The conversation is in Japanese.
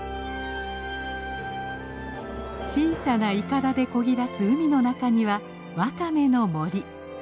小さないかだでこぎ出す海の中にはワカメの森。